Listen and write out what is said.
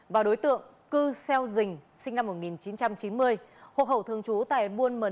và đối tượng cư xeo dình sinh năm một nghìn chín trăm chín mươi hộ hậu thường trú tại buôn mờ nơi